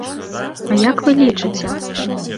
А як вы лічыце?